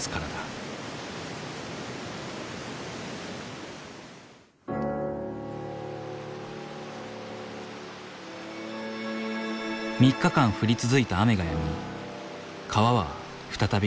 ３日間降り続いた雨がやみ川は再び輝き始めた。